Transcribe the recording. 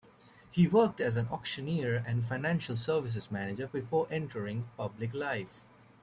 He worked as an auctioneer and financial services manager before entering public life.